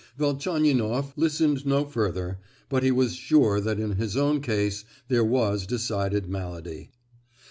Velchaninoff listened no further, but he was sure that in his own case there was decided malady.